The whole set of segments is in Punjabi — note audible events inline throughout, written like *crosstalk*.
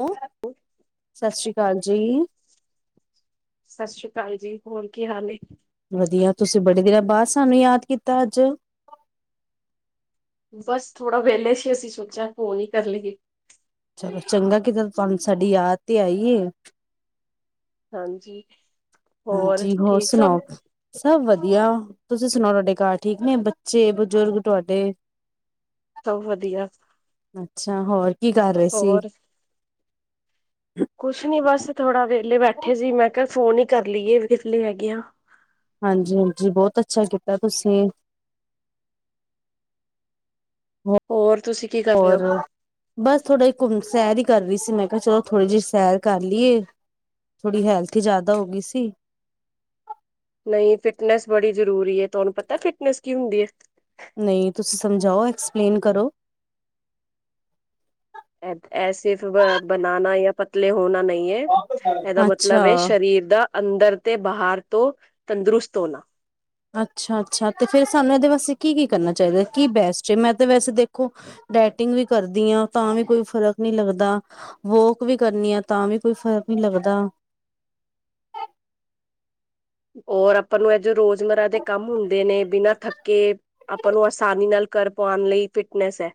ਹੈਲੋ! ਸਤਿ ਸ੍ਰੀ ਅਕਾਲ ਜੀ। ਸਤਿ ਸ੍ਰੀ ਅਕਾਲ ਜੀ। ਹੋਰ, ਕੀ ਹਾਲ ਏ? ਵਧੀਆ। ਤੁਸੀ ਬੜੇ ਦਿਨਾਂ ਬਾਅਦ ਸਾਨੂੰ ਯਾਦ ਕੀਤਾ, ਅੱਜ? ਬਸ ਥੋੜਾ ਵਿਹਲੇ ਸੀ, ਅਸੀ ਸੋਚਿਆ ਫੋਨ ਹੀ ਕਰਲੀਏ। ਚਲੋ ਚੰਗਾ ਕੀਤਾ, ਤੁਹਾਨੂੰ ਸਾਡੀ ਯਾਦ ਤੇ ਆਈਏ। ਹਾਂਜੀ। ਹਾਂਜੀ, ਹੋਰ ਠੀਕ ਸਭ ਸੁਣਾਓ? ਸਭ ਵਧੀਆ। ਤੁਸੀਂ ਸੁਣਾਓ, ਤੁਹਾਡੇ ਘਰ ਠੀਕ ਨੇ ਬੱਚੇ-ਬਜ਼ੁਰਗ, ਤੁਹਾਡੇ? ਸਭ ਵਧੀਆ। ਅੱਛਾ, ਹੋਰ, ਕੀ ਕਰ ਰਹੇ ਸੀ? ਹੋਰ ਕੁਛ ਨੀ ਬਸ ਥੋੜ੍ਹਾ ਵੇਲੇ ਬੈਠੇ ਸੀ ਮੈਂ ਕਿਹਾ ਫੋਨ ਹੀ ਕਰ ਲਈਏ ਵਿਲੇ ਹੈਗੇ ਆਂ। ਹਾਂਜੀ-ਹਾਂਜੀ ਬਹੁਤ ਅੱਛਾ ਕੀਤਾ ਤੁਸੀ। ਹੋਰ ਤੁਸੀਂ ਕੀ ਕਰ ਰਹੇ ਹੋ ਹੋਰ? ਬਸ ਥੋੜ੍ਹਾ ਈ ਘੁੰਮ ਸੈਰ ਹੀ ਕਰ ਰਹੀ ਸੀ ਮੈਂ ਕਿਹਾ ਚਲੋ ਥੋੜ੍ਹੀ ਜਿਹੀ ਸੈਰ ਕਰ ਲੀਏ। ਥੋੜ੍ਹੀ ਹੈਲਥ ਹੀ ਜ਼ਿਆਦਾ ਹੋ ਗਈ ਸੀ। ਨਹੀਂ ਫਿਟਨੈਸ ਬੜੀ ਜ਼ਰੂਰੀ ਏ। ਤੁਹਾਨੂੰ ਪਤਾ ਫਿਟਨੈਸ ਕੀ ਹੁੰਦੀ? ਨਹੀਂ। ਤੁਸੀਂ ਸਮਝਾਓ ਏਕਸਪਲੇਨ ਕਰੋ। ਐ ਸਿਰਫ ਬਨਾਨਾ ਯਾਂ ਪਤਲੇ ਹੋਣਾ ਨਹੀਂ ਏ। ਇਹਦਾ ਮਤਲਬ ਏ ਅੱਛਾ ਸਰੀਰ ਦਾ ਅੰਦਰ ਤੇ ਬਾਹਰ ਤੋ ਤੰਦਰੁਸਤ ਹੋਣਾ। ਅੱਛਾ-ਅੱਛਾ ਤੇ ਫਿਰ ਸਾਨੂੰ ਇਹਦੇ ਵਾਸਤੇ ਕੀ-ਕੀ ਕਰਨਾ ਚਾਹੀਦਾ ਕੀ ਬੈਸਟ ਏ? ਮੈਂ ਤੇ ਵੈਸੇ ਦੇਖੋ ਡੈਟਿੰਗ ਵੀ ਕਰਦੀ ਹਾਂ ਤਾਂ ਵੀ ਕੋਈ ਫ਼ਰਕ ਨਹੀਂ ਲੱਗਦਾ। ਵੋਕ ਵੀ ਕਰਨੀ ਆਂ ਤਾਂ ਵੀ ਕੋਈ ਫ਼ਰਕ ਨਹੀਂ ਲਗਦਾ। ਔਰ ਅਪਾ ਨੂੰ ਇਹ ਜੋ ਰੋਜ਼ਮਰਾ ਦੇ ਕੰਮ ਹੁੰਦੇ ਨੇ ਬਿਨਾਂ ਥੱਕੇ ਆਪਾਂ ਨੂੰ ਅਸਾਨੀ ਨਾਲ ਕਰ ਪਾਣ ਲਈ ਫਿਟਨੈਸ ਹੈ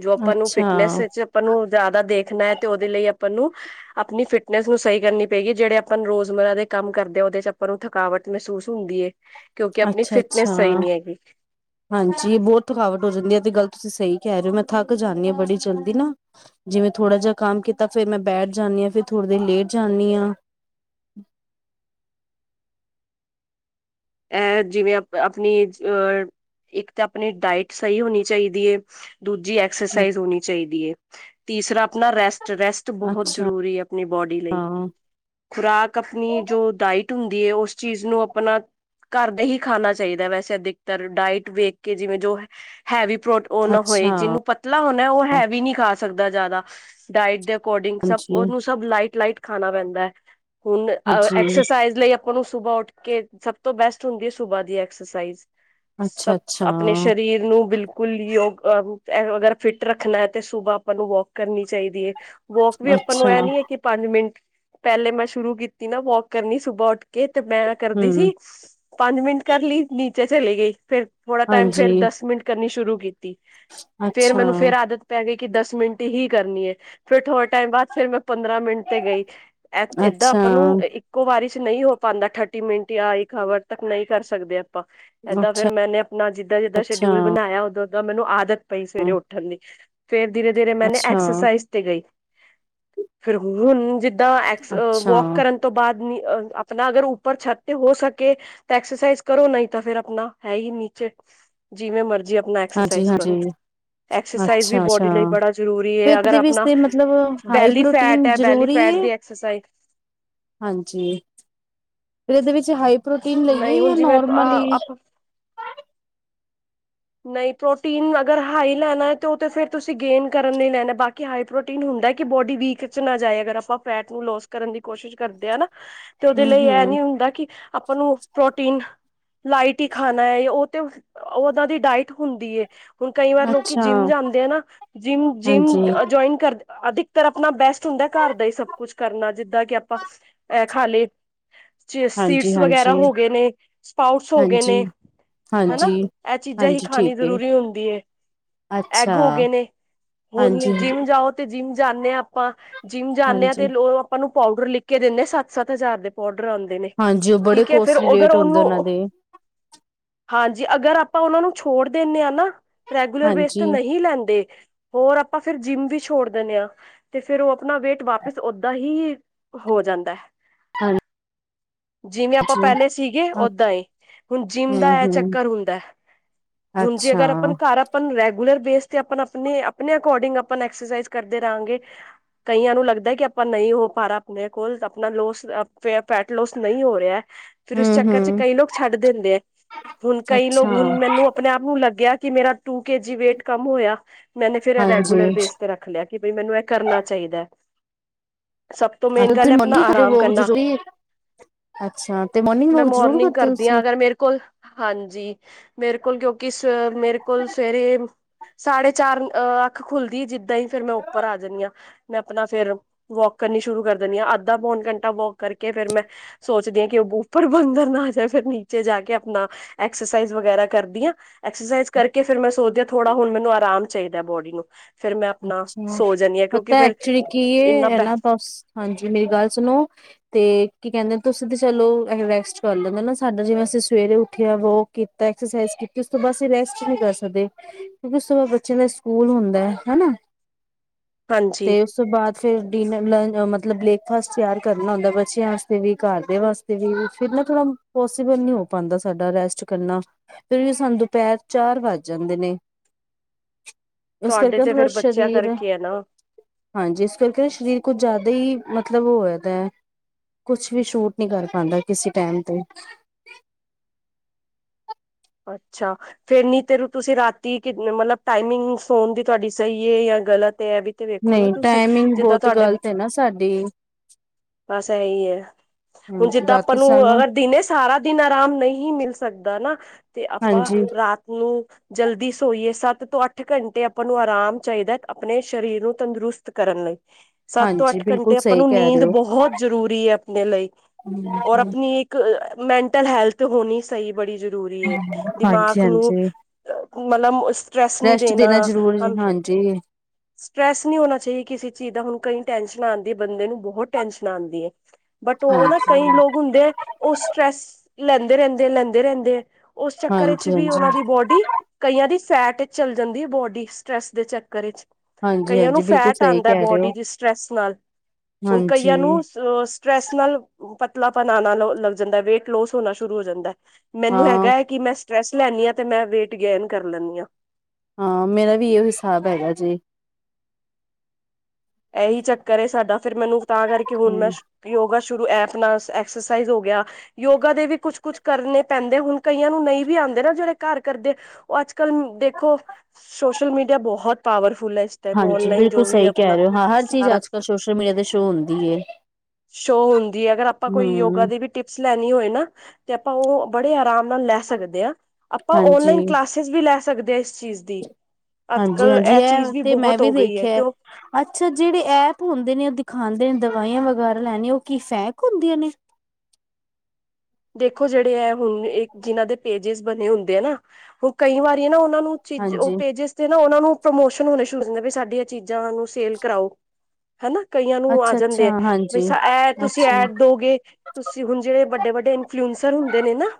ਜੋ ਆਪਾਂ ਨੂੰ ਅੱਛਾ ਫਿਟਨੈਸ ਵਿੱਚ ਆਪਾਂ ਨੂੰ ਜ਼ਿਆਦਾ ਦੇਖਣਾ ਹੈ ਤੇ ਉਹਦੇ ਲਈ ਅਪਾਨ ਨੂੰ ਅਪਨੀ ਫਿਟਨੈਸ ਨੂੰ ਸਹੀ ਕਰਨੀ ਪਏਗੀ, ਜਿਹੜੇ ਅਪਾਂਨ ਰੋਜ਼ਮਰਾ ਦੇ ਕੰਮ ਕਰਦੇ ਆ, ਉਹਦੇ'ਚ ਆਪਾਂ ਨੂੰ ਥਕ ਰਥਕਾਵਟ ਮਹਿਸੂਸ ਹੁੰਦੀ ਹੈ ਕਿਉਂਕਿ ਆਪਣੀ ਅੱਛਾ-ਅੱਛਾ ਫਿਟਨੈਸ ਸਹੀ ਨੀ ਹੈਗੀ। ਹਾਂਜੀ ਬਹੁਤ ਥਕਾਵਟ ਹੋ ਜਾਂਦੀ ਹੈ ਤੇ ਗੱਲ ਤੁਸੀਂ ਸਹੀ ਕਹਿ ਰਹੇ ਹੋ ਮੈਂ ਥੱਕ ਜਾਂਦੀ ਹਾਂ ਬੜੀ ਜਲਦੀ ਨਾ। ਜਿਵੇਂ ਥੋੜਾ ਜਿਹਾ ਕੰਮ ਕੀਤਾ ਫਿਰ ਮੈਂ ਬੈਠ ਜਾਂਨੀ ਹਾਂ ਫੇਿਰ ਥੋੜ੍ਹੇ ਦੇਰ ਲੇਟ ਜਾਂਨੀ ਹਾਂ। ਐ ਜਿਵੇਂ ਆਪਣੀ ਅਹ ਇੱਕ ਤਾਂ ਆਪਣੀ ਡਾਇਟ ਸਹੀ ਹੋਣੀ ਚਾਹੀਦੀ ਏ ਦੂਜੀ ਐਕਸਰਸਾਈਜ਼ ਹੋਣੀ ਚਾਹੀਦੀ ਹੈ ਤੀਸਰਾ ਆਪਣਾ ਰੈਸਟ ਰੈਸਟ ਬਹੁਤ ਅੱਛਾ ਜਰੂਰੀ ਹੈ। ਆਪਣੀ ਬੋਡੀ ਲਈ ਖੁਰਾਕ ਆਪਣੀ ਜੋ ਡਾਇਟ ਹੁੰਦੀ ਏ ਉਸ ਚੀਜ਼ ਨੂੰ ਆਪਣਾ ਘਰਦੇ ਹੀ ਖਾਣਾ ਚਾਹੀਦਾ ਵੈਸੇ, ਅਧੀਕਤਰ ਡਾਇਟ ਵੇਖਕੇ ਜਿਵੇਂ ਜੋ ਹੈਵੀ ਪ੍ਰੋ ਉਹ ਨਾ ਅੱਛਾ ਹੋਏ ਜਿਨੂੰ ਪਤਲਾ ਹੋਣੈ ਉਹ ਹੈਵੀ ਨਹੀਂ ਖਾ ਸਕਦਾ ਜਿਆਦਾ। ਡਾਇਟ ਦੇ ਅਕੋਰਡਿੰਗ ਸਬ ਉਹਨੂੰ ਸਬ ਲਾਈਟ-ਲਾਈਟ ਖਾਣਾ ਪੈਂਦੈ। ਹੁਣ, ਹਾਂਜੀ-ਹਾਂਜੀ ਐਕਸਰਸਾਈਜ਼ ਲਈ ਆਪਾਂ ਨੂੰ ਸੁਬਾਹ ਉੱਠਕੇ ਸਭ ਤੋਂ ਬੈਸਟ ਹੁੰਦੀ ਏ ਸੁਬਾਹ ਦੀ ਐਕਸਰਸਾਈਜ਼। ਸਭ ਅੱਛਾ-ਅੱਛਾ ਆਪਣੇ ਸ਼ਰੀਰ ਨੂੰ ਬਿਲਕ ਕੁੱਲ ਯੋਗ--ਐ ਅਗਰ ਫਿਟ ਰੱਖਣਾ ਹੈ ਤੇ ਸੁਬਾਹ ਆਪਾਂ ਨੂੰ ਵੌਕ ਕਰਨੀ ਚਾਹੀਦੀ ਏ। ਵੋਕ ਵੀ ਆਪਾਂ ਨੂੰ ਅੱਛਾ ਐ ਨੀ ਹੈ ਕਿ ਪੰਜ ਮਿੰਟ। ਪਹਿਲੇ ਮੈਂ ਸ਼ੁਰੂ ਕੀਤੀ ਨਾ ਵੌਕ ਕਰਨੀ ਸੁਬਾਹ ਉੱਠਕੇ ਤੇ ਮੈਂ ਕਰਦੀ ਹੂੰ ਸੀ ਪੰਜ ਮਿੰਟ ਕਰ ਲਈ ਨੀਚੇ ਚਲੀ ਗਈ ਫਿਰ ਥੋੜਾ ਟਾਈਮ ਹਾਂਜੀ, ਫੇਰ ਦਸ ਮਿੰਟ ਕਰਨੀ ਸ਼ੁਰੂ ਕੀਤੀ ਫਿਰ ਅੱਛਾ, ਮੈਨੂੰ ਫਿਰ ਆਦਤ ਪੈ ਗਈ ਕਿ ਦਸ ਮਿੰਟ ਹੀ ਕਰਨੀ ਏ ਫਿਰ ਥੋੜੇ ਟਾਈਮ ਬਾਅਦ ਫਿਰ ਮੈਂ ਪੰਦਰਾਂ ਮਿੰਟ ਤੇ ਗਈ। ਐ ਏਦਾਂ ਅੱਛਾ, ਆਪਾਂ ਨੂੰ ਇੱਕ ਕੋ ਵਾਰੀ'ਚ ਨਹੀਂ ਹੋ ਪਾਂਦਾ ਥਰਟੀ-ਮਿੰਟ ਯਾ ਇੱਕ ਹਾਵਰ ਤੱਕ ਨਹੀਂ ਕਰ ਸਕਦੇ ਆ। ਏਦਾਂ ਫੇਰ ਅੱਛਾ, ਮੈਂਨੇ ਅਪਣਾ ਜਿੱਦਾਂ-ਜਿੱਦਾਂ ਅੱਛਾ। ਸ਼ਡਿਊਲ ਬਣਾਇਆ ਉਦਾਂ-ਓਦਾਂ ਮੈਨੂੰ ਆਦਤ ਪਈ ਸਵੇਰੇ ਉੱਠਣ ਦੀ ਫੇਰ ਧੀਰੇ ਧੀਰੇ ਮੈਨੇ ਅੱਛਾ, ਐਕਸਰਸਾਈਜ਼ ਗਈ ਫਿਰ ਹੁਣ ਜਿੱਦਾਂ ਐਕ ਅੱਛਾ, ਵੋਕ ਕਰਨ ਤੋਂ ਬਾਅਦ ਨੀ ਆਪਣਾ ਅਗਰ ਉੱਪਰ ਛੱਤੇ ਹੋ ਸਕ ਕੇ ਐਕਸਰਸਾਈਜ਼ ਕਰੋ ਨਹੀਂ ਤਾਂ ਫੇਿਰ ਆਪਣਾ ਹੈ ਹੀ ਨੀਚੇ ਜਿਵੇਂ ਮਰਜੀ ਆਪਣਾ ਹਾਂਜੀ, ਐਕਸਰਸਾਈਜ਼ ਹਾਂਜੀ, ਕਰੋ। ਐਕਸਰਸਾਈਜ਼ ਵੀ ਅੱਛਾ, ਬੋਡੀ ਅੱਛਾ। ਲਈ ਬੜਾ ਜ਼ਰੂਰੀ ਫਿਰ ਹੈ ਅਗਰ ਇਹਦੇ ਵਿੱਚ ਆਪਣਾ ਤੇ ਮਤਲਬ ਹਾਈ ਬੈਲੀ ਫੈਟ ਪ੍ਰੋਟੀਨ ਹੈ ਬੈਲੀ ਜ਼ਰੂਰੀ ਫੈਟ ਏ, ਦੀ ਐਕਸਸਾਈਜ਼ *unintelligible* ਹਾਂਜੀ ਫਿਰ ਇਹਦੇ ਵਿੱਚ ਹਾਈ ਪ੍ਰੋਟੀਨ ਨਹੀਂ ਲਈਏ ਹੁਣ ਜਾਂ ਜਿਵੇਂ ਨੋਰਮਲੀ। ਆਪ ਨਹੀਂ ਪ੍ਰੋਟੀਨ ਅਗਰ ਹਾਈ ਲੈਣਾ ਤੇ ਉਹ ਤਾਂ ਫੇਰ ਤੁਸੀਂ ਗੇਨ ਕਰਨ ਲਈ ਲੈਣਾ ਬਾਕੀ ਹਾਈ ਪ੍ਰੋਟੀਨ ਹੁੰਦਾ ਕਿ ਬੋਡੀ ਵੀਕ ਚ ਨਾ ਜਾਏ ਅਗਰ ਆਪਾਂ ਫੈਟ ਨੂੰ ਲੋਸ ਕਰਨ ਦੀ ਕੋਸ਼ਿਸ਼ ਕਰਦੇ ਆ ਨਾ। ਤੇ ਉਹਦੇ ਹੂੰ, ਲਈ ਏ ਹੂੰ। ਨੀ ਹੁੰਦਾ ਕਿ ਆਪਾਂ ਨੂੰ ਪ੍ਰੋਟੀਨ ਲਾਈਟ ਹੀ ਖਾਣਾ ਹੈ ਉਹ ਤੇ ਉਹਨਾਂ ਦੀ ਡਾਇਟ ਹੁੰਦੀ ਹੈ ਹੁਣ ਕਈ ਵਾਰ ਲੋਕੀ ਅੱਛਾ, ਜਿੰਮ ਜਾਂਦੇ ਆ ਨਾ ਜਿੰਮ ਹਾਂਜੀ, ਜਿੰਮ ਜੁਆਇਨ ਕਰ ਅਧਿਕਤਰ ਆਪਣਾ ਬੈਸਟ ਹੁੰਦਾ ਘਰ ਦਾ ਹੀ ਸਭ ਕੁਛ ਕਰਨਾ, ਜਿੱਦਾਂ ਕਿ ਆਪਾਂ ਅ ਖਾਲੀ ਹਾਂਜੀ, ਸੀਟਸ ਵਗੈਰਾ ਹਾਂਜੀ, ਹੋ ਗਏ ਨੇ, ਸਪਾਊਟਸ ਹੋ ਗਏ ਹਾਂਜੀ, ਨੇ ਹਨਾ ਹਾਂਜੀ ਇਹ ਚੀਜ਼ਾਂ ਹੀ ਹਾਂਜੀ, ਠੀਕ ਖਾਣੀ ਏ, ਜ਼ਰੂਰੀ ਹੁੰਦੀ ਏ, ਐਗ ਅੱਛਾ, ਹੋ ਗਏ ਨੇ, ਹਾਂਜੀ, ਹੁਣ ਜਿਵੇਂ ਜਾਓ, ਤੇ ਜਿੰਮ ਜਾਂਦੇ ਹਾਂ ਆਪਾਂ, ਜਿੰਮ ਜਾਂਦੇ ਹਾਂ ਹਾਂਜੀ। ਤੇ ਲੋ ਆਪਾਂ ਨੂੰ ਪਾਊਡਰ ਲਿਖ ਦਿੰਦੇ, ਸੱਤ- ਸਤ ਹਜ਼ਾਰ ਦੇ ਪਾਊਡਰ ਆਉਂਦੇ ਨੇ, ਹਾਂਜੀ, ਉਹ ਬੜੇ ਠੀਕ ਹੈ ਫੇਰ ਕੋਸਟਲੀ ਅਗਰ ਰੇਟ ਹੁੰਦੇ ਉਹਨੂੰ ਉਹਨਾਂ ਦੇ, ਹਾਂਜੀ, ਅਗਰ ਆਪਾਂ ਉਹਨਾਂ ਨੂੰ ਛੋੜ ਦਿੰਦੇ ਹਾਂ ਨਾ ਰੈਗੂਲਰ ਬੇਸ ਤੇ ਹਾਂਜੀ, ਨਹੀਂ ਲੈਂਦੇ ਹੋਰ ਆਪਾਂ ਫਿਰ ਜਿੰਮ ਵੀ ਛੋੜ ਦਿੰਦੇ ਹਾਂ, ਤੇ ਫਿਰ ਉਹ ਆਪਣਾ ਵੇਟ ਵਾਪਿਸ ਓਦਾਂ ਹੀ ਹੋ ਜਾਂਦਾ ਹੈ ਹਾਂ ਜਿਵੇਂ ਆਪਾਂ ਪਹਿਲੇ ਸੀਗੇ, ਅੱ ਓਦਾਂ ਹੀ, ਹੁਣ ਜਿੰਮ ਦਾ ਇਹ ਹੂੰ-ਹੂੰ, ਚੱਕਰ ਹੁੰਦਾ ਹੁਣ ਜੀ ਅੱਛਾ ਅਗਰ ਆਪਾਂ ਘਰ ਆਪਾਂ ਰੈਗੂਲਰ ਬੇਸ ਤੇ, ਆਪਣੇ ਆਪ ਆਪਣੇ ਅਕੋਡਿੰਗ ਐਕਸਰਸਾਈਜ਼ ਕਰਦੇ ਰਹਾਂਗੇ ਕਈਆਂ ਨੂੰ ਲੱਗਦਾ ਕਿ ਆਪਾਂ ਨਹੀਂ ਹੋ ਪਾ ਰਿਹਾ ਆਪਣੇ ਕੋਲ, ਆਪਣਾ ਲੋਸ ਫੈਟ ਲੋਸ ਨਹੀਂ ਹੋ ਰਿਹਾ ਫਿਰ ਉਸ ਚੱਕਰ 'ਚ ਹੂੰ-ਹੂੰ, ਕਈ ਲੋਕ ਛੱਡ ਦਿੰਦੇ ਆ, ਹੁਣ ਕਈ ਲੋਕ ਅੱਛਾ ਹੁਣ ਮੈਨੂੰ। ਆਪਣੇ ਆਪ ਨੂੰ ਲੱਗਿਆ ਕਿ ਮੇਰਾ ਟੂ ਕੇ ਜੀ ਵੇਟ ਕੰਮ ਹੋਇਆ ਮੈਨੂੰ ਫੇਰ ਰੈਗੂਲਰ ਹਾਂਜੀ ਬੇਸ ਤੇ ਰੱਖਿਆ। ਰਖ ਲਿਆ, ਕਿ ਬਈ ਮੈਨੂੰ ਇਹ ਕਰਨਾ ਚਾਹੀਦਾ ਹੈ। ਸਭ ਤੋਂ ਅੱਛਾ ਮੇਨ ਗੱਲ ਤੁਸੀਂ ਹੈ, ਆਪਣਾ ਮੋਰਨਿੰਗ ਕਰਦੇ ਆਰਾਮ ਵੋਕ ਕਰਨਾ। ਜ਼ਰੂਰੀ ਅੱਛਾ ਤੇ ਮੋਰਨਿੰਗ ਮੈਂ ਵੋਕ ਜ਼ਰੂਰ ਮੋਰਨਿੰਗ ਕਰਦੇ ਹੋ ਕਰਦੀ ਹਾਂ ਤੁਸੀਂ ਅਗਰ ਮੇਰੇ ਕੋਲ, ਹਾਂਜੀ। ਮੇਰੇ ਕੋਲ ਕਿਉਂਕਿ ਸ, ਮੇਰੇ ਕੋਲ ਸਵੇਰੇ। ਸਾਢੇ ਚਾਰ, ਅ ਅੱਖ ਖੁੱਲਦੀ ਆ, ਜਿੱਦਾਂ ਹੀ ਫੇਰ ਮੈਂ ਉੱਪਰ ਆ ਜਾਂਦੀ ਹਾਂ। ਮੈਂ ਆਪਣਾ ਫੇਰ, ਵੋਕ ਕਰਨੀ ਸ਼ੁਰੂ ਕਰ ਦਿੰਦੀ ਹਾਂ ਅੱਧਾ ਪੌਨ ਘੰਟਾ ਵੋਕ ਕਰਕੇ ਫਿਰ ਮੈਂ ਸੋਚਦੀ ਹਾਂ ਕਿ ਉਹ ਉਪਰ ਬੰਦਰ ਨਾ ਆ ਜਾਏ, ਫਿਰ ਨੀਚੇ ਜਾ ਕੇ ਆਪਣਾ ਐਕਸ ਐਕਸਰਸਾਈਜ਼ ਵਗੈਰਾ ਕਰਦੀ ਹਾਂ, ਐਕਸਰਸਾਈਜ਼ ਕਰਕੇ ਫਿਰ ਮੈਂ ਸੋਚਦੀ ਹਾਂ, ਥੋੜਾ ਹੁਣ ਮੈਨੂੰ ਆਰਾਮ ਚਾਹੀਦਾ ਬੋਡੀ ਨੂੰ ਫਿਰ ਮੈਂ ਆਪਣਾ ਅੱਛਾ, ਸੋ ਜਾਂਦੀ ਹਾਂ ਕਿਉਂਕਿ ਪਤਾ ਫਿਰ ਐਕਚੁਲੀ ਕੀ ਇੰਨਾ ਹੈ, ਬੈ ਹਨਾ ਬ ਹਾਂਜੀ, ਮੇਰੀ ਗੱਲ ਸੁਣੋ ਤੇ ਕੀ ਕਹਿੰਦੇ ਤੁਸੀਂ ਤੇ ਚਲੋ ਰੈਸਟ ਕਰ ਲੈਂਦੇ ਨਾ, ਸਾਡਾ ਜਿਵੇਂ ਅਸੀਂ ਸਵੇਰੇ ਉੱਠਿਆ ਵੋ ਕੀਤਾ ਐਕਸਰਸਾਈਜ਼ ਕੀਤੀ ਉਸ ਤੋਂ ਬਾਅਦ ਅਸੀਂ ਰੈਸਟ ਨਹੀਂ ਕਰ ਸਕਦੇ, ਕਿਉਂਕਿ ਉਸ ਤੋਂ ਬਾਅਦ ਬੱਚਿਆਂ ਦਾ ਸਕੂਲ ਹੁੰਦਾ ਹਨਾ ਹਾਂਜੀ ਤੇ ਉਸ ਤੋਂ ਬਾਅਦ ਫਿਰ ਡਿਨਰ ਲੰ ਮਤਲਬ ਬ੍ਰੇਕਫਾਸਟ ਤਿਆਰ ਕਰਨਾ ਹੁੰਦਾ, ਬੱਚਿਆਂ ਵਾਸਤੇ ਵੀ ਘਰਦੇ ਵਾਸ ਤੇ ਵੀ, ਫਿਰ ਨਾ ਥੋੜਾ ਪੋਸੀਬਲ ਨਹੀਂ ਹੋ ਪਾਉਂਦਾ ਸਾਡਾ ਰੈਸਟ ਕਰਨਾ ਫਿਰ ਵੀ ਸਾਨੂੰ, ਦੁਪਹਿਰ ਚਾਰ ਵੱਜ ਜਾਂਦੇ ਨੇ ਇਸ ਤੁਹਾਡੇ ਕਰਕੇ ਨਾ ਤੇ ਥੋੜਾ ਫਿਰ ਬੱਚਿਆਂ ਸਰੀਰ ਕਰਕੇ ਆ ਨਾ ਹਾਂਜੀ, ਇਸ ਕਰਕੇ ਸਰੀਰ ਕੁਝ ਜ਼ਿਆਦਾ ਹੀ, ਮਤਲਬ ਹੋ ਜਾਂਦਾ ਹੈ ਕੁਛ ਵੀ ਸ਼ੂਟ ਨਹੀਂ ਕਰ ਪਾਉਂਦਾ, ਕਿਸੇ ਟਾਈਮ ਤੇ ਅੱਛਾ। ਫੇਰ ਨੀ ਤੇ ਤੁਸੀਂ ਰਾਤੀ, ਮਤਲਬ ਟਾਈਮਿੰਗ ਸੌਣ ਦੀ ਤੁਹਾਡੀ ਸਹੀ ਹੈ ਜਾਂ ਗ਼ਲਤ ਹੈ ਵੀ। ਤੇ ਵੇਖੋ ਨਾ ਨਹੀਂ ਤੁਸੀਂ, ਟਾਈਮਿੰਗ ਜਿੱਦਾਂ ਬਹੁਤ ਤੁਹਾਡੇ। ਗ਼ਲਤ ਹੈ ਨਾ ਸਾਡੀ ਬਸ ਇਹੀ ਹੈ, ਹੁਣ ਹਾਂਜੀ ਜਿੱਦਾਂ ਆਪਾਂ ਰਾਤੀ ਨੂੰ ਸਾਨੂੰ ਅਗਰ ਦਿਨੇ। ਸਾਰਾ ਦਿਨ ਆਰਾਮ ਨਹੀਂ ਮਿਲ ਸਕਦਾ ਨਾ, ਤੇ ਆਪਾਂ ਹਾਂਜੀ ਰਾਤ ਨੂੰ। ਜਲਦੀ ਸੋਈਏ, ਸੱਤ ਤੋਂ ਅੱਠ ਘੰਟੇ ਆਪਾਂ ਨੂੰ ਆਰਾਮ ਚਾਹੀਦਾ ਆਪਣੇ ਸਰੀਰ ਨੂੰ ਤੰਦਰੁਸਤ। ਕਰਨ ਲਈ। ਸੱਤ ਤੋਂ ਹਾਂਜੀ ਅੱਠ ਬਿਲਕੁਲ ਘੰਟੇ ਆਪਾਂ ਸਹੀ ਨੂੰ ਕਹਿ ਰਹੇ ਨੀਂਦ ਹੋ ਬਹੁਤ ਜ਼ਰੂਰੀ ਹੈ ਆਪਣੇ ਲਈ, ਔਰ ਆਪਣੀ। ਇੱਕ, ਮੈਂਟਲ ਹੈਲਥ ਹੋਣੀ ਸਹੀ ਬੜੀ ਜ਼ਰੂਰੀ ਹੈ, ਹਾਂਜੀ ਦਿਮਾਗ ਨੂੰ। ਹਾਂਜੀ ਮਤਲਬ ਸਟਰੈੱਸ ਨੀ ਰੈਸਟ ਦੇਣਾ। ਜ਼ਰੂਰ ਹਾਂਜੀ ਸਟਰਟਰੈੱਸ ਨਹੀਂ ਹੋਣਾ ਚਾਹੀਦਾ ਕਿਸੇ ਚੀਜ਼ ਦਾ, ਹੁਣ ਕਈ ਟੈਨਸ਼ਨ ਆਉਂਦੀ ਹੈ ਬੰਦੇ ਨੂੰ, ਬਹੁਤ ਟੈਨਸ਼ਨ ਆਉਂਦੀ ਹੈ। ਬਟ ਉਹ ਨਾ ਕਈ ਹਾਂਜੀ ਲੋਕ ਹੁੰਦੇ ਹੈ। ਉਹ ਸਟਰ੍ਰੈਸ, ਲੈਂਦੇ ਰਹਿੰਦੇ, ਲੈਂਦੇ ਰਹਿੰਦੇ ਆ। ਉਸ ਚੱਕਰ ਵਿੱਚ ਹਾਂਜੀ ਵੀ, ਹਾਂਜੀ ਉਹਨਾਂ ਦੀ ਬੋਡੀ। ਕਈਆਂ ਦੀ ਸੈਟ ਵਿਚ ਚੱਲ ਜਾਂਦੀ ਹੈ ਬੋਡੀ ਸਟਰ੍ਰੈਸ ਦੇ ਚੱਕਰ ਵਿੱਚ। ਹਾਂਜੀ ਕਈਆਂ ਨੂੰ ਹਾਂਜੀ ਬਿਲਕੁਲ ਫੈਟ ਸਹੀ ਆਉਂਦਾ ਕਹਿ ਰਹੇ ਹੋ ਬੋਡੀ ਦੀ ਸਟਰ੍ਰੈਸ ਨਾਲ ਹੁਣ ਹਾਂਜੀ ਕਈਆਂ ਨੂੰ। ਮਤਲਬ ਸਟਰ੍ਰੈਸ ਨਾਲ ਪਤਲਾਪਨ ਆਉਣਾ ਲੱਗ ਜਾਂਦਾ ਵੇਟ ਲੋਸ ਹੋਣਾ ਸ਼ੁਰੂ ਹੋ ਜਾਂਦਾ ਹੈ। ਮੈਨੂੰ ਹਾਂ ਹੈਗਾ ਹੈ ਕਿ ਮੈਂ ਸਟਰ੍ਰੈਸ ਲੈਦੀ ਹਾਂ ਤੇ ਮੈਂ ਵੇਟ ਗੇਨ ਕਰ ਲੈਂਦੀ ਹਾਂ। ਹਾਂ ਮੇਰਾ ਵੀ ਇਹੀ ਹਿਸਾਬ ਹੈਗਾ ਜੇ। ਇਹੀ ਚੱਕਰ ਏ ਸਾਡਾ ਫੇਰ ਮੈਨੂੰ ਤਾਂ ਕਰਕੇ ਹੁਣ ਮੈਂ। ਯੋਗਾ ਸ਼ੁਰੂ ਐਪ ਨਾ ਆਪਣਾ ਐਕਸਰਸਾਈਜ਼ ਹੋ ਗਿਆ। ਯੋਗਾ ਦੇ ਵੀ ਕੁਛ ਕੁਛ ਕਰਨੇ ਪੈਂਦੇ ਹੁਣ ਕਈਆਂ ਨੂੰ ਨਹੀਂ ਵੀ ਆਉਂਦੇ ਨਾ ਜਿਹੜੇ ਘਰ ਕਰਦੇ। ਉਹ ਅੱਜ ਕੱਲ ਦੇਖੋ ਸੋਸ਼ਲ ਮੀਡੀਆ ਬਹੁਤ ਪਾਵਰਫੁਲ ਹੈ। ਟਾਈਮ ਹਾਂਜੀ ਔਨਲਾਈਨ ਬਿਲਕੁਲ ਜੋ ਵੀ ਹੈ ਸਹੀ ਕਹਿ ਆਪਣਾ। ਰਹੇ ਹੋ ਹਾਂ ਹਰ ਚੀਜ਼ ਸਾਰਾ ਅੱਜ ਕੱਲ ਸੋਸ਼ਲ ਮੀਡੀਆ ਦੇ ਸ਼ੋਅ ਹੁੰਦੀ ਹੈ ਸ਼ੋਅ ਹੁੰਦੀ ਹੈ। ਅਗਰ ਆਪਾਂ ਕੋਈ ਯੋਗਾ ਹਮ ਦੀ। ਵੀ ਟਿਪਸ ਲੈਣੀ ਹੋਏ ਨਾ ਤੇ ਆਪਾਂ ਉਹ ਬੜੇ ਆਰਾਮ ਨਾਲ ਲੈ ਸਕਦੇ ਹਾਂ ਆਪਾਂ ਹਾਂਜੀ ਔਨਲਾਈਨ ਕਲਾਸ। ਕਲਾਸਿਸ ਵੀ ਲੈ ਸਕਦੇ ਹਾਂ ਇਸ ਚੀਜ਼ ਦੀ। ਅੱਜ ਹਾਂਜੀ ਕੱਲ ਹਾਂਜੀ ਚੀਜ਼ ਇਹ ਤੇ ਮੈਂ ਬਹੁਤ ਵੀ ਹੋ ਗਈ ਹੈ ਤੇ ਦੇਖਿਆ। ਅੱਛਾ ਜਿਹੜੇ ਐਪ ਹੁੰਦੇ ਨੇ ਉਹ ਦਿਖਾਂਦੇ ਨੇ ਦਵਾਈਆਂ ਵਗੈਰਾ ਲੈਣੇ ਉਹ ਕੀ ਫੈਕ ਹੁੰਦੀਆਂ ਨੇ। ਦੇਖੋ ਜਿਹੜੇ ਹੈ ਹੁਣ ਜਿਹਨਾਂ ਦੇ ਪੇਜਿਸ ਬਣੇ ਹੁੰਦੇ ਆ ਨਾ ਉਹ ਕਈ ਵਾਰੀ ਨਾ ਉਨਾਂ ਨੂੰ। ਚ ਉਹ ਹਾਂਜੀ ਪੇਜਿਸ ਤੇ ਨਾ ਉਹਨਾ ਨੂੰ ਪ੍ਰਮੋਸ਼ਨ ਹੋਣੇ ਸ਼ੁਰੂ ਦੇ ਸਾਡੀਆਂ ਚੀਜ਼ਾਂ ਨੂੰ ਸੇਲ ਕਰਾਓ ਹਨਾ ਕਈਆਂ ਨੂੰ ਆ ਅੱਛਾ ਅੱਛਾ ਜਾਂਦੇ ਹੈ ਬ ਹਾਂਜੀ ਐ ਤੁਸੀਂ ਅੱਛਾ ਐਡ ਦੋਗੇ ਤੁਸੀਂ ਹੁਣ ਜਿਹੜੇ ਵੱਡੇ ਵੱਡੇ ਇਨਫੁਲੈਸਂਰ ਹੁੰਦੇ ਨੇ ਨਾ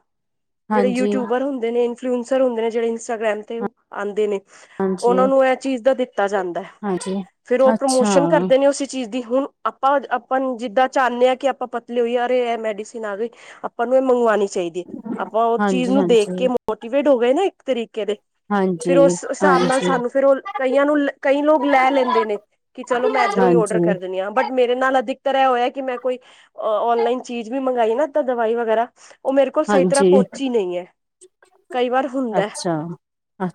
ਜਿਹੜੇ ਹਾਂਜੀ ਯੂਟਿਊਬਰ ਹੁੰਦੇ ਨੇ ਇਨਫੁਲੇਨਸਰ ਹੁੰਦੇ ਨੇ ਜੇ ਇੰਸਟਾਗ੍ਰਾਮ ਤੇ ਹਾਂਜੀ ਆਂਦੇ ਨੇ ਉਨਾਂ ਨੂੰ ਇਹ ਚੀਜ਼ ਦਾ ਦਿੱਤਾ ਜਾਂਦਾ ਹਾਂਜੀ ਫੇਰ ਉਹ ਅੱਛਾ ਪ੍ਰਮੋਸ਼ਨ ਕਰਦੇ ਨੇ ਉਸ ਚੀਜ਼ ਦੀ ਹੁਣ ਆਪਾਂ ਆਪਾਂ ਨੂੰ ਜਿੱਦਾਂ ਚਾਂਦੇ ਹਾਂ ਕਿ ਆਪਾਂ ਪਤਲੇ ਹੋਈਏ ਅਰੇ ਇਹ ਮੈਡੀਸਨ ਆ ਗਏ। ਆਪਾਂ ਨੂੰ ਇਹ ਮੰਗਵਾਉਣੀ ਚਾਹੀਦੀ ਹੈ। ਆਪਾਂ ਉਹ ਚੀਜ਼ ਹਾਂਜੀ ਨੂੰ ਦੇਖ ਹਾਂਜੀ ਕੇ ਮੋਟੀਵੇਟ ਹੋ ਗਏ ਨਾ ਇੱਕ ਤਰੀਕੇ ਦੇ। ਫਿਰ ਹਾਂਜੀ, ਉਸ ਹਿਸਾਬ ਨਾਲ ਹਾਂਜੀ, ਸਾਨੂੰ ਫਿਰ ਉਹ ਕਈਆਂ ਨੂੰ ਕਈ ਲੋਕ ਲੈ ਲੈਂਦੇ ਨੇ। ਕਿ ਚਲੋ ਮੈਂ ਇੱਦਰੋਂ ਹੀ ਔਡਰ ਹਾਂਜੀ, ਕਰ ਦਿੰਦੀ ਹਾਂ ਬਟ। ਮੇਰੇ ਨਾਲ ਅਧਿਕਤਰ ਇਹ ਹੋਇਆ ਕਿ ਮੈਂ ਕੋਈ ਔਨਲਾਈਨ ਚੀਜ਼ ਵੀ ਮੰਗਾਈ ਨਾ ਇਦਾਂ ਦਵਾਈ ਵਗੈਰਾ। ਉਹ ਮੇਰੇ ਕੋਲ ਸਹੀ ਤਰ੍ਹਾਂ ਹਾਂਜੀ ਪੋਚੀ ਨਹੀਂ ਹੈ ਕਈ ਵਾਰ ਹੁੰਦਾ। ਅੱਛਾ।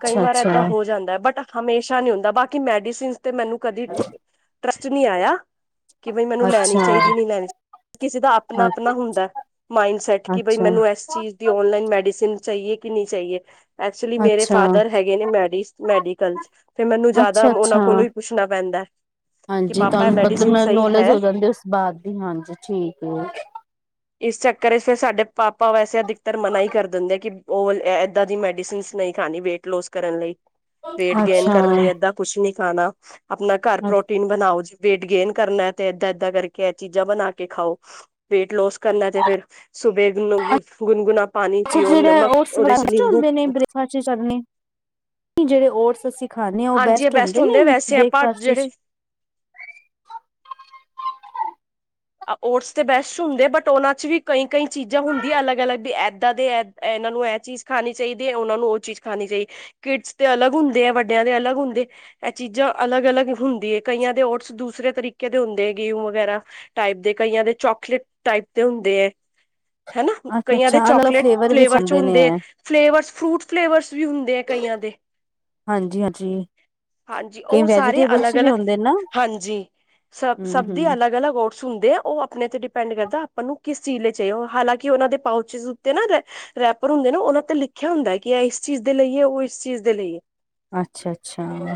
ਕਈ ਵਾਰ ਏਦਾਂ ਅੱਛਾ, ਹੋ ਜਾਂਦਾ ਹੈ ਬਟ। ਹਮੇਸ਼ਾ ਨੀ ਹੁੰਦਾ ਬਾਕੀ ਮੈਡੀਸਨ ਤੇ ਮੈਨੂੰ ਕਦੀ ਟਰੱਸਟ ਨਹੀਂ ਆਇਆ। ਕਿ ਬਈ ਮੈਨੂੰ ਲੈਣੀ ਅੱਛਾ, ਚਾਹੀਦੀ ਨਹੀਂ ਲੈਣੀ ਚਾਹੀ ਕਿਸੇ ਦਾ ਆਪਣਾ ਅੱਛਾ, ਆਪਣਾ ਹੁੰਦਾ ਹੈ। ਮਾਈਡ ਸੈੱਟ ਕਿ ਬਈ ਅੱਛਾ। ਮੈਨੂੰ ਇਸ ਚੀਜ਼ ਦੀ ਔਨਲਾਈਨ ਮੈਡੀਸਨ ਚਾਈਏ ਕਿ ਨਹੀਂ ਚਾਹੀਏ। ਐਕਚੁਲੀ ਮੇਰੇ ਫਾਦਰ ਅੱਛਾ, ਹੈਗੇ ਨੇ ਮੈਡੀ ਮੈਡੀਕਲ 'ਚ। ਤੇ ਮੈਨੂੰ ਜਿਆਦਾ ਉਨਾਂ ਅੱਛਾ ਕੋਲੋਂ ਹੀ ਪੁੱਛਣਾ ਪੈਂਦਾ ਹੈ। ਹਾਂਜੀ ਤੁਹਾਨੂੰ ਮਤਲਬ ਨੋਲੇਜ ਹੈ ਹੋ ਜਾਂਦੀ ਉਸ ਬਾਅਦ ਦੀ ਹਾਂਜੀ ਠੀਕ ਹੈ। ਇਸ। ਘ ਫਿਰ ਸਾਡੇ ਪਾਪਾ ਵੈਸੇ ਅਧਿਕਤਤਰ ਮਨਾ ਹੀ ਕਰ ਦਿੰਦੇ ਆ ਕਿ ਉਹ ਇੱਦਾਂ ਦੀ ਮੈਡੀਸਨਸ ਨਹੀਂ ਖਾਣੀ ਵੇਟ ਲੋਸ ਕਰਨ ਲਈ ਵੇਟ ਗੇਨ ਅੱਛਾ, ਕਰਨ ਲਈ ਏਦਾਂ ਕੁਛ ਨੀ ਖਾਣਾ ਆਪਣਾ ਘਰ ਪਰੋ ਨ ਬਣਾਓ ਜੇ ਵੇਟ ਗੇਨ ਕਰਨਾ ਤੇ ਏਦਾਂ ਏਦਾਂ ਕਰਕੇ ਚੀਜ਼ਾਂ ਬਣਾ ਕੇ ਖਾਓ। ਵੇਟ ਲੋਸ ਕਰਨਾ ਤੇ ਫੇਰ ਸੁਬੇ ਗੁਣਗੁਣਾ ਪਾਣੀ ਪੀਓ ਨਮਕ ਦੇ ਚ ਨਿੰਬੂ ਬ੍ਰਸਾਂ ਚ ਚੱਲੇ ਜਿਹੜੇ ਰਸ ਅੱਸੀ *unintelligible* ਖਾਂਦੇ ਆ ਉਹ ਹਾਂਜੀ ਇਹ ਬੈਸਟ ਹੁੰਦੇ ਨੇ ਵੈਸੇ ਆਪਾਂ ਬ੍ਰੇਕਫਾਸਟ ਜਿਹੜੇ ਵਿੱਚ ਓਟਸ ਤੇ ਬੈਸਟ ਹੁੰਦੇ ਬਟ ਉਹਨਾਂ ਚ ਵੀ ਕਈ ਕਈ ਚੀਜ਼ਾਂ ਹੁੰਦੀਆਂ ਅਲੱਗ ਅਲੱਗ ਵੀ ਏਦਾਂ ਦੇ ਇਨਾਂ ਨੂੰ ਇਹ ਚੀਜ਼ ਖਾਣੀ ਚਾਹੀਦੀ ਹੈ ਉਨਾਂ ਨੂੰ ਉਹ ਚੀਜ਼ ਖਾਣੀ ਚਾਹੀਦੀ। ਕਿਡਸ ਤੇ ਅਲੱਗ ਹੁੰਦੇ ਆ ਵੱਡਿਆਂ ਦੇ ਅਲੱਗ ਹੁੰਦੇ ਇਹ ਚੀਜ਼ਾਂ ਅਲੱਗ ਅਲੱਗ ਹੁੰਦੀ ਹੈ ਕਈਆਂ ਦੇ ਓਟਸ ਦੂਸਰੇ ਤਰੀਕੇ ਦੇ ਹੁੰਦੇ ਹੈ ਗੇਹੂ ਵਗੈਰਾ ਟਾਈਪ ਦੇ ਕਈਆਂ ਦੇ ਚੋਕਲੇਟ ਟਾਈਪ ਦੇ ਹੁੰਦੇ ਆ ਹਨਾ ਅੱਛਾ, ਕਈਆਂ ਦੇ ਅੱਛਾ ਅਲੱਗ ਅਲੱਗ ਚੋਕਲੇਟ ਵਿੱਚ ਫਲੇਵਰ ਚ ਆਂਦੇ ਨੇ ਹੁੰਦੇ ਐ ਫਲੇਵਰਸ ਫਰੂਟ ਫਲੇਵਰਸ ਵੀ ਹੁੰਦੇ ਕਈਆਂ ਦੇ। ਹਾਂਜੀ-ਹਾਂਜੀ। ਹਾਂਜੀ ਕਈ ਉਹ ਸਾਰੇ ਵੈਜੀਟੇਬਲਸ ਵੀ ਅਲੱਗ-ਅਲੱਗ ਹੁੰਦੇ ਨਾ, ਹਾਂਜੀ ਸਭ ਸਭ ਦੀ ਹੂੰ-ਹੂੰ। ਅਲੱਗ-ਅਲੱਗ ਹੁੰਦੇ ਏ, ਉਹ ਆਪਣੇ ਤੇ ਡਿਪੈਂਡ ਕਰਦਾ, ਆਪਾਂ ਨੂੰ ਕਿਸ ਚੀਜ਼ ਲਈ ਚਾਈਏ, ਉਹ ਹਾਲਾਂਕਿ ਉਹਨਾਂ ਦੇ ਪਾਉਚਿਸ ਉੱਤੇ ਨਾ ਰੈਪਰ ਹੁੰਦੇ ਨੇ, ਉਹਨਾਂ ਤੇ ਲਿਖਿਆ ਹੁੰਦਾ ਕਿ ਇਹ ਇਸ ਚੀਜ਼ ਦੇ ਲਈ ਏ, ਉਹ ਇਸ ਚੀਜ਼ ਦੇ ਲਈ ਏ। ਅੱਛਾ-ਅੱਛਾ,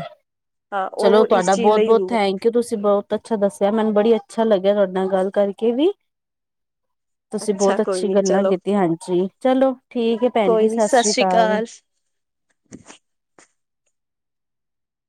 ਹਾਂ ਚਲੋ ਉਹ ਇਸ ਤੁਆਡਾ ਚੀਜ਼ ਲਈ ਬਹੁਤ-ਬਹੁਤ ਹੁੰਦੇ ਥੈਂਕ ਕਿ ਤੁਸੀਂ ਬਹੁਤ ਅੱਛਾ ਦੱਸਿਆ, ਮੈਨੂੰ ਬੜੀ ਅੱਛਾ ਲੱਗਿਆ ਤੁਹਾਡੇ ਨਾਲ ਗੱਲ ਕਰਕੇ ਵੀ। ਤੁਸੀਂ ਅੱਛਾ ਬਹੁਤ ਕੋਈ ਅੱਛੀ ਨੀ ਗੱਲਾਂ ਚਲੋ ਕੀਤੀ ਹਾਂਜੀ, ਚਲੋ ਠੀਕ ਹੈ ਭੈਣ ਜੀ, ਸਤਿ ਸ੍ਰੀ ਅਕਾਲ।